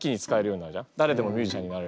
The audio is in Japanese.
だれでもミュージシャンになれる。